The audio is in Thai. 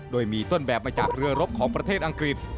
โดยมีต้นแบบมาจากเรือรบของประเทศอังกฤษ